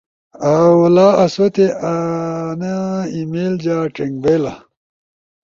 ۔او لا آسوتے انئی ای میل جا ڇوئنگ بئیلا۔